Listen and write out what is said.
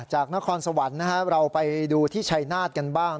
นครสวรรค์เราไปดูที่ชัยนาธกันบ้าง